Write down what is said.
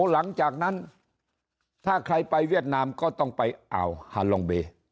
หลังจากนั้นถ้าใครไปเวียดนามก็ต้องไปอ่าวฮาลองเบ